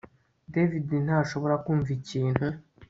David ntashobora kumva ikintu